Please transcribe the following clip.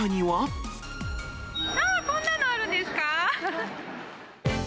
あー、こんなのあるんですか？